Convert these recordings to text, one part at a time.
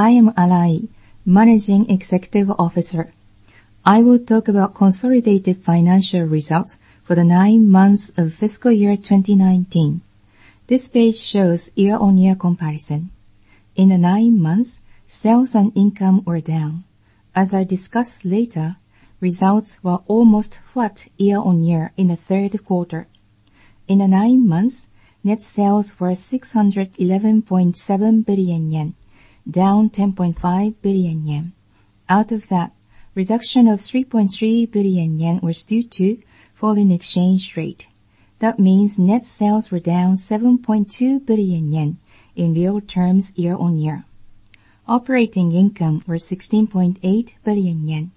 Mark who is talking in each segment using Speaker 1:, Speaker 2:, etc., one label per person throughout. Speaker 1: I am Arai, Managing Executive Officer. I will talk about consolidated financial results for the nine months of fiscal year 2019. This page shows year-on-year comparison. In the nine months, sales and income were down. As I discuss later, results were almost flat year-on-year in the third quarter. In the nine months, net sales were 611.7 billion yen, down 10.5 billion yen. Out of that, reduction of 3.3 billion yen was due to foreign exchange rate. That means net sales were down 7.2 billion yen in real terms year-on-year. Operating income was 16.8 billion yen,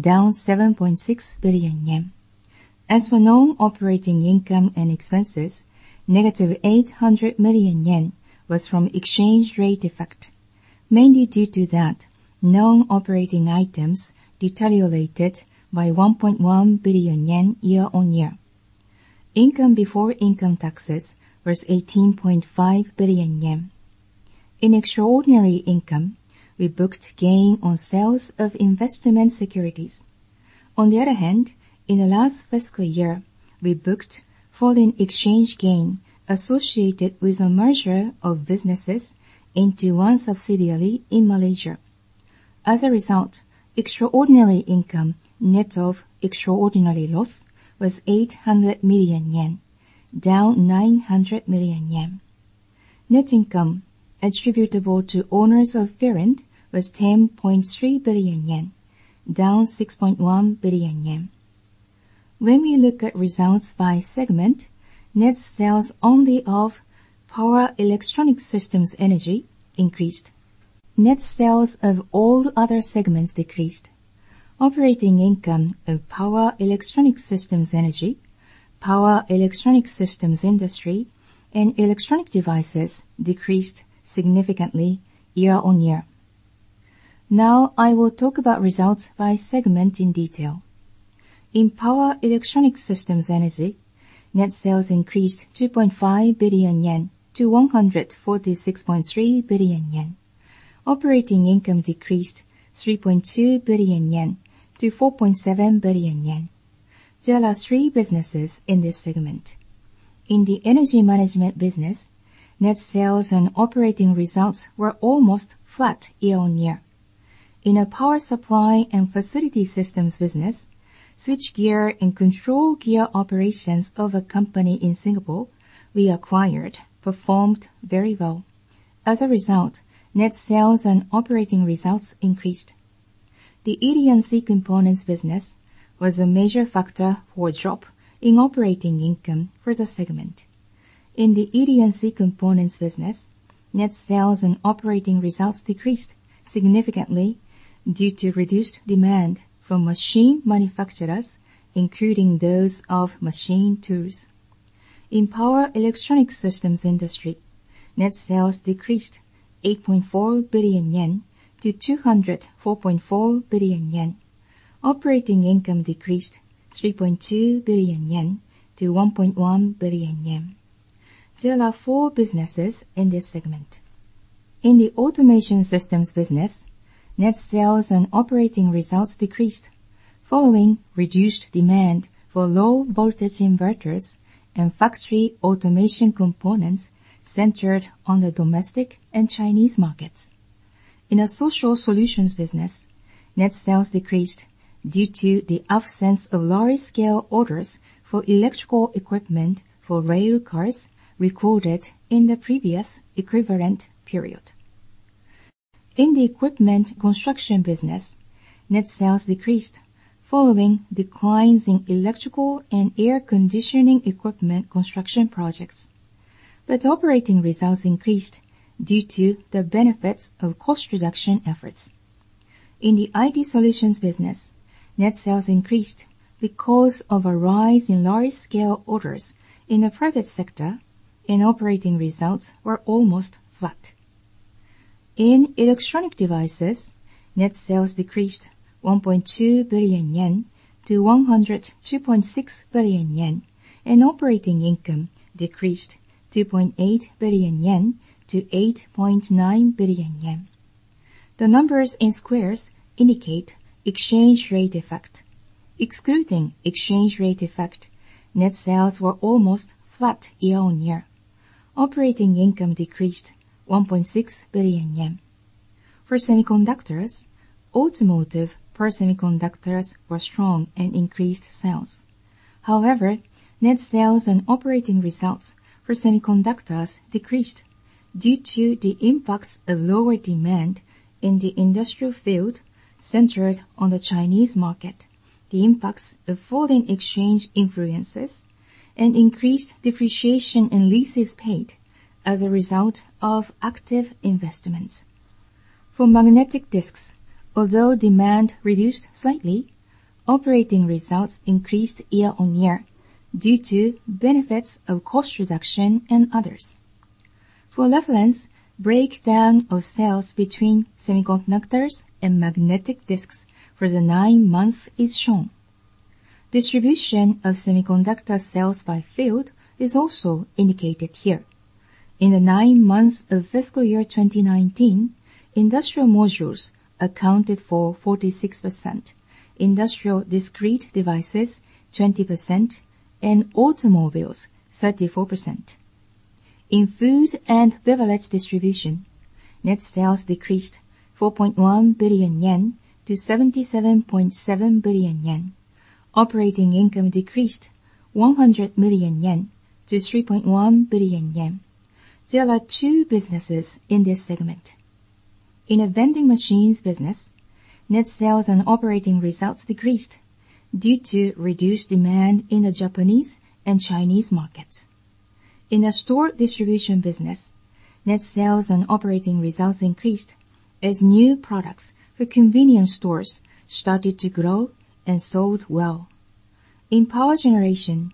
Speaker 1: down 7.6 billion yen. As for non-operating income and expenses, negative 800 million yen was from exchange rate effect. Mainly due to that, non-operating items deteriorated by 1.1 billion yen year-on-year. Income before income taxes was 18.5 billion yen. In extraordinary income, we booked gain on sales of investment securities. On the other hand, in the last fiscal year, we booked foreign exchange gain associated with the merger of businesses into one subsidiary in Malaysia. As a result, extraordinary income net of extraordinary loss was 800 million yen, down 900 million yen. Net income attributable to owners of parent was 10.3 billion yen, down 6.1 billion yen. When we look at results by segment, net sales only of Power Electronic Systems - Energy Solutions increased. Net sales of all other segments decreased. Operating income of Power Electronic Systems - Energy Solutions, Power Electronic Systems - Industry Solutions, and Electronic Devices decreased significantly year-on-year. I will talk about results by segment in detail. In Power Electronic Systems - Energy Solutions, net sales increased 2.5 billion yen to 146.3 billion yen. Operating income decreased 3.2 billion yen to 4.7 billion yen. There are three businesses in this segment. In the energy management business, net sales and operating results were almost flat year-on-year. In a Power Supply and Facility Systems business, switchgear and control gear operations of a company in Singapore we acquired performed very well. As a result, net sales and operating results increased. The ED&C components business was a major factor for a drop in operating income for the segment. In the ED&C components business, net sales and operating results decreased significantly due to reduced demand from machine manufacturers, including those of machine tools. In Power Electronic Systems Industry, net sales decreased 8.4 billion yen to 204.4 billion yen. Operating income decreased 3.2 billion yen to 1.1 billion yen. There are four businesses in this segment. In the Automation Systems business, net sales and operating results decreased following reduced demand for low-voltage inverters and factory automation components centered on the domestic and Chinese markets. In a Social Solutions business, net sales decreased due to the absence of large-scale orders for electrical equipment for rail cars recorded in the previous equivalent period. In the Equipment Construction business, net sales decreased following declines in electrical and air conditioning equipment construction projects. Operating results increased due to the benefits of cost reduction efforts. In the IT Solutions business, net sales increased because of a rise in large-scale orders in the private sector, and operating results were almost flat. In Electronic Devices, net sales decreased 1.2 billion yen to 102.6 billion yen, and operating income decreased 2.8 billion yen to 8.9 billion yen. The numbers in squares indicate exchange rate effect. Excluding exchange rate effect, net sales were almost flat year-on-year. Operating income decreased 1.6 billion yen. For semiconductors, automotive power semiconductors were strong and increased sales. However, net sales and operating results for semiconductors decreased due to the impacts of lower demand in the industrial field centered on the Chinese market, the impacts of foreign exchange influences, and increased depreciation and leases paid as a result of active investments. For magnetic disks, although demand reduced slightly, operating results increased year-on-year due to benefits of cost reduction and others. For reference, breakdown of sales between semiconductors and magnetic disks for the nine months is shown. Distribution of semiconductor sales by field is also indicated here. In the nine months of fiscal year 2019, industrial modules accounted for 46%, industrial discrete devices 20%, and automobiles 34%. In Food and Beverage Distribution, net sales decreased 4.1 billion yen to 77.7 billion yen. Operating income decreased 100 million yen to 3.1 billion yen. There are two businesses in this segment. In the vending machines business, net sales and operating results decreased due to reduced demand in the Japanese and Chinese markets. In the Store Distribution business, net sales and operating results increased as new products for convenience stores started to grow and sold well. In Power Generation,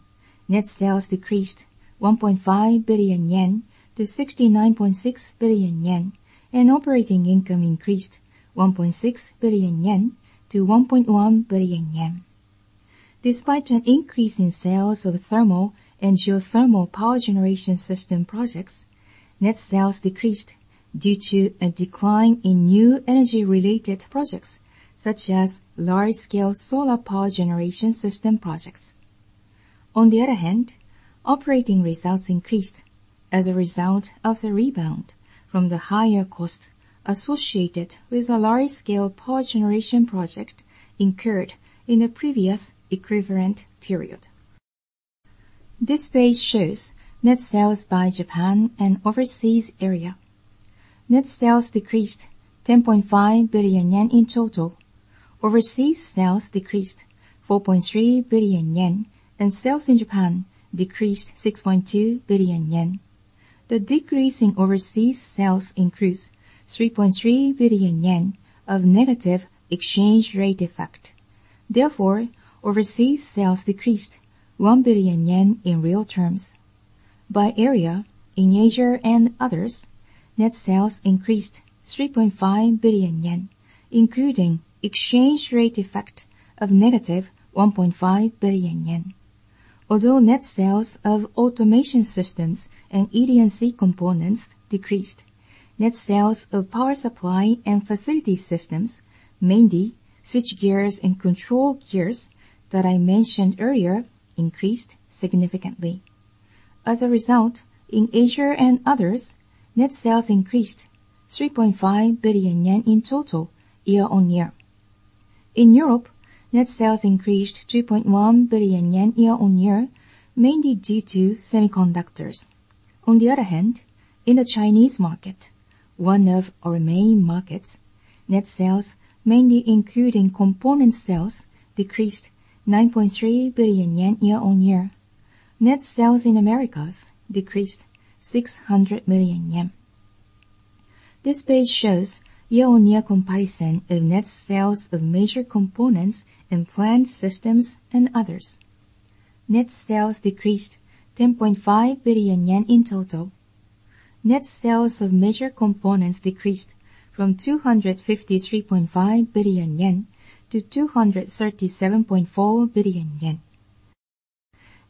Speaker 1: net sales decreased 1.5 billion yen to 69.6 billion yen, and operating income increased 1.6 billion yen to 1.1 billion yen. Despite an increase in sales of Thermal and Geothermal Power Generation system projects, net sales decreased due to a decline in new energy-related projects, such as large-scale Solar Power Generation system projects. On the other hand, operating results increased as a result of the rebound from the higher cost associated with a large-scale Power Generation project incurred in the previous equivalent period. This page shows net sales by Japan and overseas area. Net sales decreased 10.5 billion yen in total. Overseas sales decreased 4.3 billion yen, and sales in Japan decreased 6.2 billion yen. The decrease in overseas sales increased 3.3 billion yen of negative exchange rate effect. Therefore, overseas sales decreased 1 billion yen in real terms. By area, in Asia and others, net sales increased 3.5 billion yen, including exchange rate effect of negative 1.5 billion yen. Although net sales of Automation Systems and ED&C components decreased, net sales of Power Supply and Facility Systems, mainly switchgear and control gear that I mentioned earlier, increased significantly. As a result, in Asia and others, net sales increased 3.5 billion yen in total year-on-year. In Europe, net sales increased 3.1 billion yen year-on-year, mainly due to semiconductors. On the other hand, in the Chinese market, one of our main markets, net sales mainly including component sales decreased 9.3 billion yen year-on-year. Net sales in the Americas decreased 600 million yen. This page shows year-on-year comparison of net sales of major components and plant systems and others. Net sales decreased 10.5 billion yen in total. Net sales of major components decreased from 253.5 billion yen to 237.4 billion yen.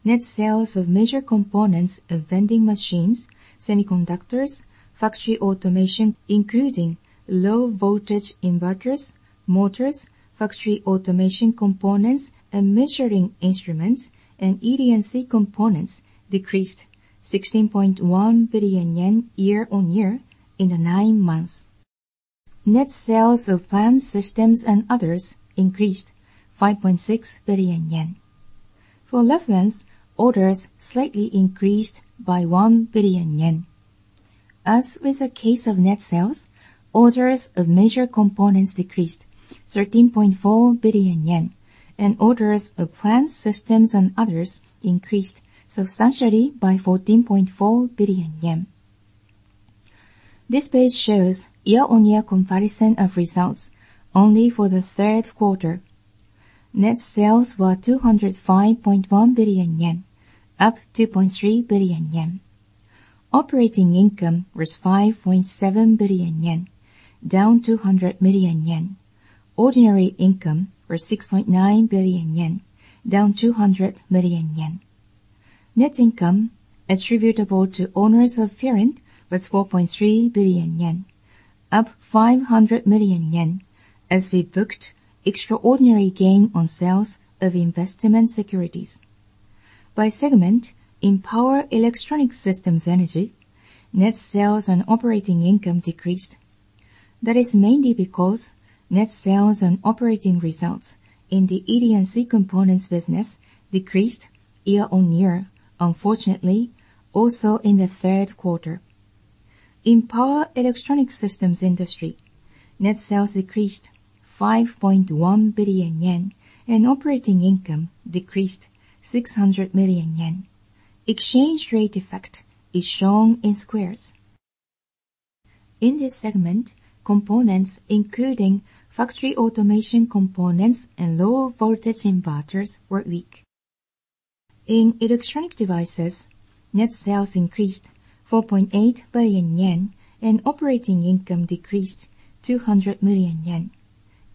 Speaker 1: Net sales of major components of vending machines, semiconductors, factory automation, including low-voltage inverters, motors, factory automation components, and measuring instruments and ED&C components decreased 16.1 billion yen year-on-year in the nine months. Net sales of plant systems and others increased 5.6 billion yen. For 11 months, orders slightly increased by 1 billion yen. As with the case of net sales, orders of major components decreased 13.4 billion yen and orders of plant systems and others increased substantially by 14.4 billion yen. This page shows year-on-year comparison of results only for the third quarter. Net sales were 205.1 billion yen, up 2.3 billion yen. Operating income was 5.7 billion yen, down 200 million yen. Ordinary income was 6.9 billion yen, down 200 million yen. Net income attributable to owners of parent was 4.3 billion yen, up 500 million yen as we booked extraordinary gain on sales of investment securities. By segment, in Power Electronic Systems Energy, net sales and operating income decreased. That is mainly because net sales and operating results in the ED&C components business decreased year-on-year, unfortunately, also in the third quarter. In Power Electronic Systems Industry, net sales decreased 5.1 billion yen and operating income decreased 600 million yen. Exchange rate effect is shown in squares. In this segment, components including factory automation components and low-voltage inverters were weak. In Electronic Devices, net sales increased 4.8 billion yen, and operating income decreased 200 million yen.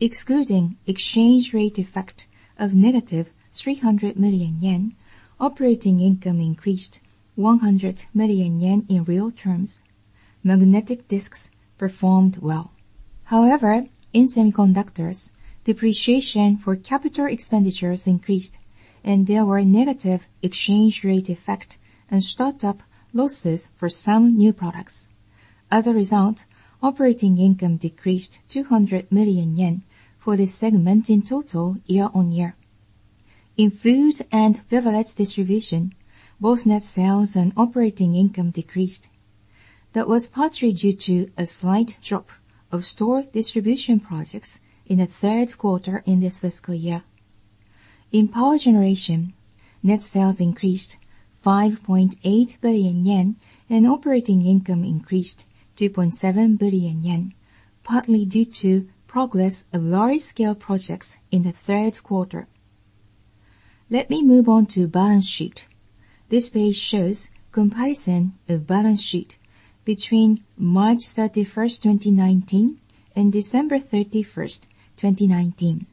Speaker 1: Excluding exchange rate effect of negative 300 million yen, operating income increased 100 million yen in real terms. magnetic disks performed well. However, in semiconductors, depreciation for capital expenditures increased, and there were negative exchange rate effect and startup losses for some new products. As a result, operating income decreased 200 million yen for this segment in total year-on-year. In Food and Beverage Distribution, both net sales and operating income decreased. That was partly due to a slight drop of store distribution projects in the third quarter in this fiscal year. In Power Generation, net sales increased 5.8 billion yen, and operating income increased 2.7 billion yen, partly due to progress of large-scale projects in the third quarter. Let me move on to balance sheet. This page shows comparison of balance sheet between March 31, 2019 and December 31, 2019.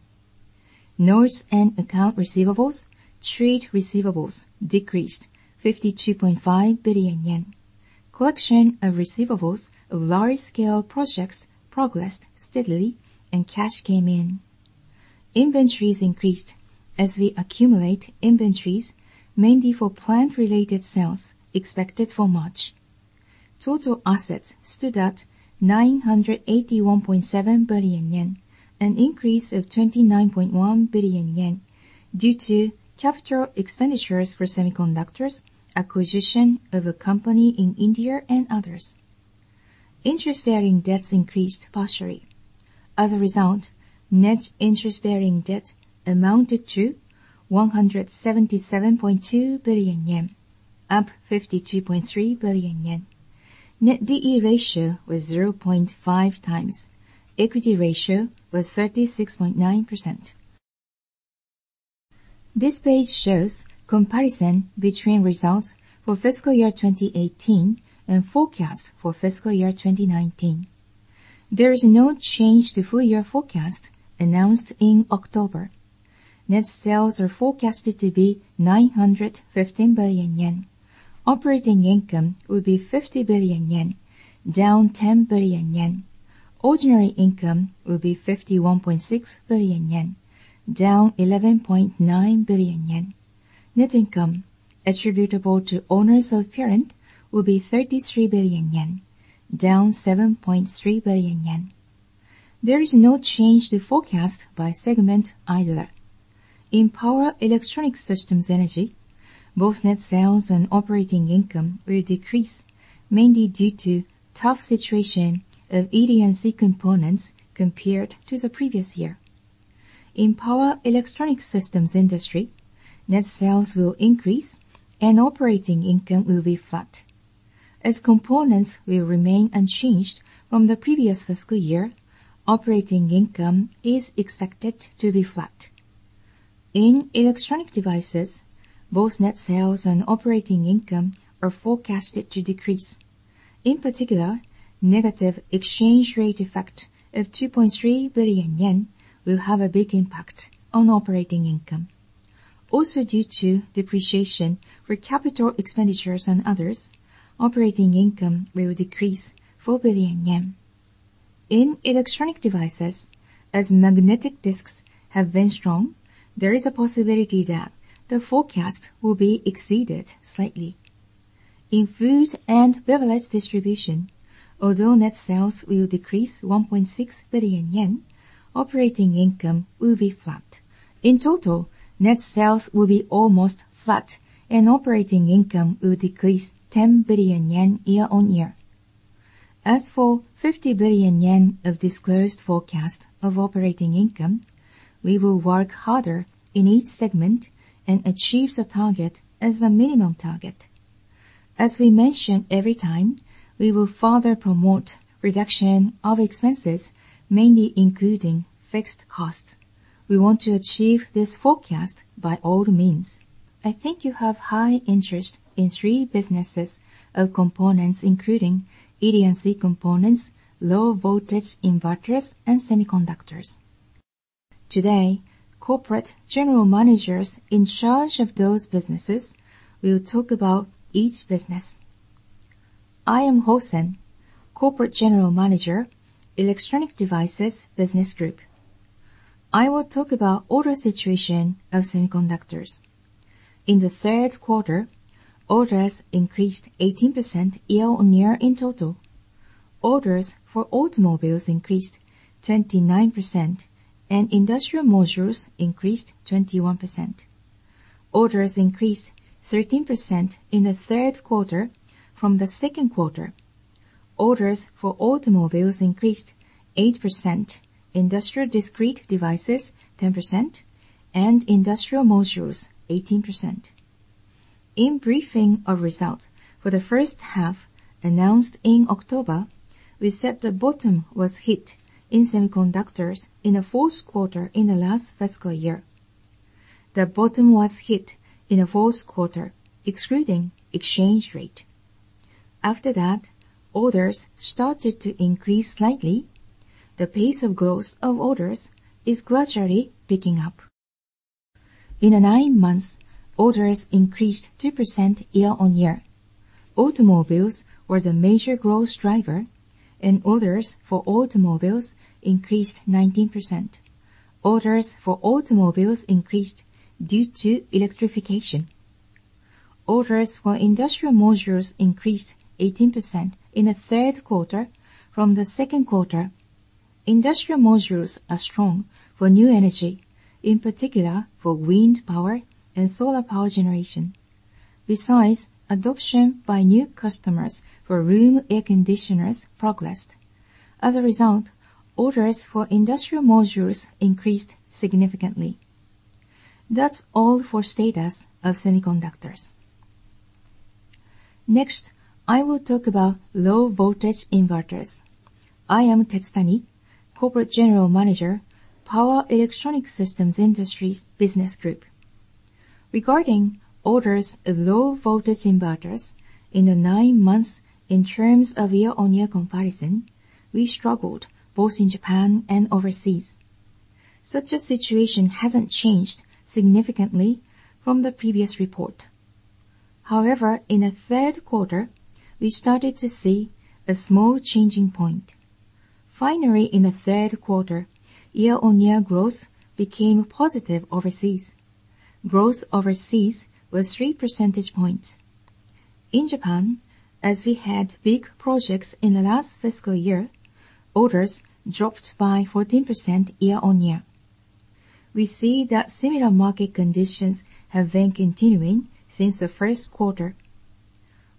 Speaker 1: Notes and accounts receivable, trade receivables decreased 52.5 billion yen. Collection of receivables of large-scale projects progressed steadily and cash came in. Inventories increased as we accumulate inventories, mainly for plant-related sales expected for March. Total assets stood at 981.7 billion yen, an increase of 29.1 billion yen due to capital expenditures for semiconductors, acquisition of a company in India, and others. Interest-bearing debts increased partially. As a result, net interest-bearing debt amounted to 177.2 billion yen, up 52.3 billion yen. Net D/E ratio was 0.5x. equity ratio was 36.9%. This page shows comparison between results for fiscal year 2018 and forecast for fiscal year 2019. There is no change to full year forecast announced in October. Net sales are forecasted to be 915 billion yen. Operating income will be 50 billion yen, down 10 billion yen. Ordinary income will be 51.6 billion yen, down 11.9 billion yen. Net income attributable to owners of parent will be 33 billion yen, down 7.3 billion yen. There is no change to forecast by segment either. In Power Electronic Systems - Energy Solutions, both net sales and operating income will decrease, mainly due to tough situation of ED&C components compared to the previous year. In Power Electronic Systems - Industry Solutions, net sales will increase and operating income will be flat. As components will remain unchanged from the previous fiscal year, operating income is expected to be flat. In Electronic Devices, both net sales and operating income are forecasted to decrease. In particular, negative exchange rate effect of 2.3 billion yen will have a big impact on operating income. Due to depreciation for capital expenditures and others, operating income will decrease 4 billion yen. In Electronic Devices, as magnetic disks have been strong, there is a possibility that the forecast will be exceeded slightly. In Food and Beverage Distribution, although net sales will decrease 1.6 billion yen, operating income will be flat. In total, net sales will be almost flat and operating income will decrease 10 billion yen year-on-year. As for 50 billion yen of disclosed forecast of operating income, we will work harder in each segment and achieve the target as a minimum target. As we mention every time, we will further promote reduction of expenses, mainly including fixed cost. We want to achieve this forecast by all means. I think you have high interest in three businesses of components, including ED&C components, low-voltage inverters, and semiconductors. Today, corporate general managers in charge of those businesses will talk about each business.
Speaker 2: I am Hosen, Corporate General Manager, Electronic Devices Business Group. I will talk about order situation of semiconductors. In the third quarter, orders increased 18% year-on-year in total. Orders for automobiles increased 29% and Industrial Modules increased 21%. Orders increased 13% in the third quarter from the second quarter. Orders for automobiles increased 8%, industrial discrete devices 10%, and industrial modules 18%. In briefing our results for the first half announced in October, we said the bottom was hit in semiconductors in the fourth quarter in the last fiscal year. The bottom was hit in the fourth quarter, excluding exchange rate. After that, orders started to increase slightly. The pace of growth of orders is gradually picking up. In the nine months, orders increased 2% year-on-year. Automobiles were the major growth driver and orders for automobiles increased 19%. Orders for automobiles increased due to electrification. Orders for industrial modules increased 18% in the third quarter from the second quarter. Industrial modules are strong for new energy, in particular for Wind Power and Solar Power Generation. Besides, adoption by new customers for room air conditioners progressed. As a result, orders for industrial modules increased significantly. That's all for status of semiconductors.
Speaker 3: Next, I will talk about low-voltage inverters. I am Tetsutani, Corporate General Manager, Power Electronic Systems Industry Business Group. Regarding orders of low-voltage inverters in the nine months in terms of year-on-year comparison, we struggled both in Japan and overseas. Such a situation hasn't changed significantly from the previous report. However, in the third quarter, we started to see a small changing point. Finally, in the third quarter, year-on-year growth became positive overseas. Growth overseas was three percentage points. In Japan, as we had big projects in the last fiscal year, orders dropped by 14% year-on-year. We see that similar market conditions have been continuing since the first quarter.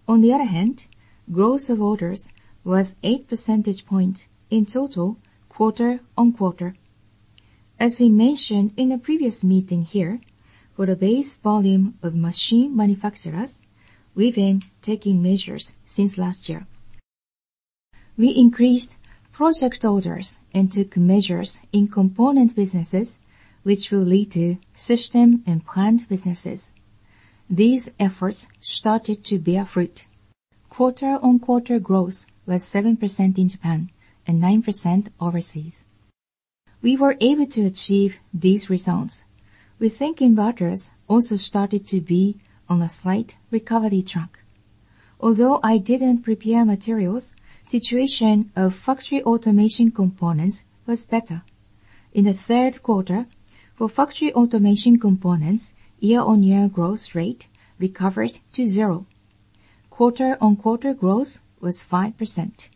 Speaker 3: On the other hand, growth of orders was eight percentage points in total, quarter-on-quarter. As we mentioned in a previous meeting here, for the base volume of machine manufacturers, we've been taking measures since last year. We increased project orders and took measures in component businesses which will lead to system and plant businesses. These efforts started to bear fruit. Quarter-on-quarter growth was 7% in Japan and 9% overseas. We were able to achieve these results. We think inverters also started to be on a slight recovery track. Although I didn't prepare materials, situation of Factory automation components was better. In the third quarter, for Factory automation components, year-on-year growth rate recovered to zero. Quarter-on-quarter growth was 5%.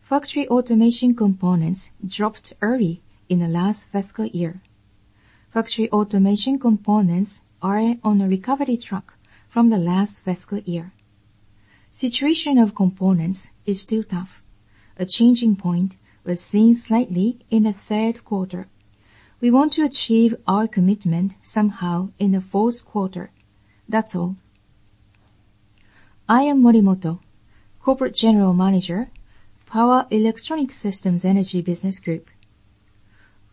Speaker 3: Factory automation components dropped early in the last fiscal year. Factory automation components are on a recovery track from the last fiscal year. Situation of components is still tough. A changing point was seen slightly in the third quarter. We want to achieve our commitment somehow in the fourth quarter. That's all.
Speaker 4: I am Morimoto, Corporate General Manager, Power Electronic Systems Energy Business Group.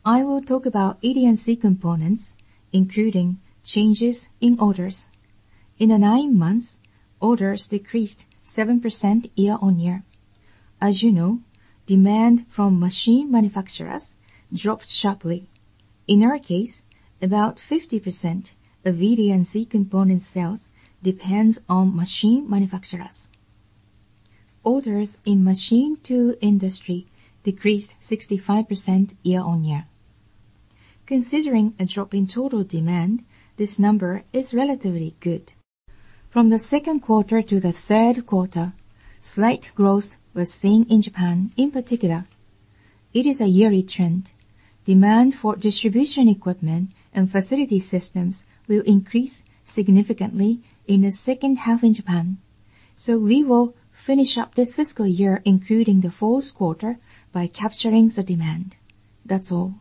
Speaker 4: I will talk about ED&C components, including changes in orders. In the nine months, orders decreased 7% year-on-year. As you know, demand from machine manufacturers dropped sharply. In our case, about 50% of ED&C component sales depends on machine manufacturers. Orders in machine tool industry decreased 65% year-on-year. Considering a drop in total demand, this number is relatively good. From the second quarter to the third quarter, slight growth was seen in Japan in particular. It is a yearly trend. Demand for distribution equipment and facility systems will increase significantly in the second half in Japan. We will finish up this fiscal year, including the fourth quarter, by capturing the demand. That's all.